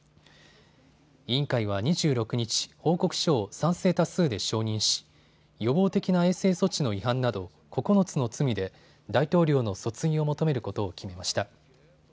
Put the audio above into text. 委員会は２６日、報告書を賛成多数で承認し予防的な衛生措置の違反など９つの罪で大統領の訴追を求めることを決めました。